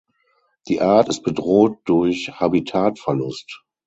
Die Art ist bedroht durch Habitatverlust.